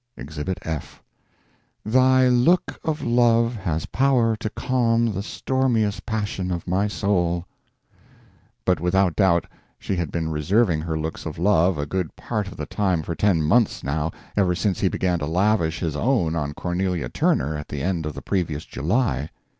Exhibit F "Thy look of love has power to calm The stormiest passion of my soul." But without doubt she had been reserving her looks of love a good part of the time for ten months, now ever since he began to lavish his own on Cornelia Turner at the end of the previous July.